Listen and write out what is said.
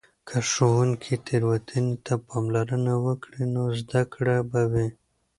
که ښوونکې تیروتنې ته پاملرنه وکړي، نو زده کړه به وي.